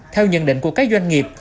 theo nhận định của các doanh nghiệp